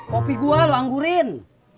kopi gue lu anggurin